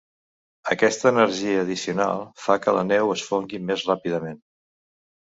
Aquesta energia addicional fa que la neu es fongui més ràpidament.